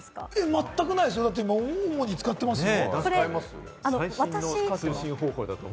全くないですよ、今、主に使ってますもん。